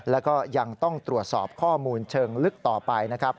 แล้วก็ยังต้องตรวจสอบข้อมูลเชิงลึกต่อไปนะครับ